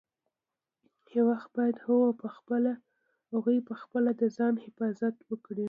یو وخت باید هغوی پخپله د ځان مخافظت وکړي.